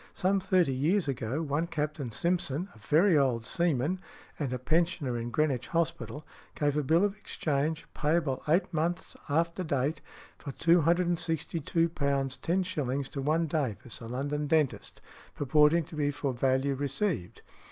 Some thirty years ago, one Captain Simpson, a very old seaman and a pensioner in Greenwich Hospital, gave a bill of exchange, payable eight months after date, for £262 10s. to one Davis, a London dentist, purporting to be for value received.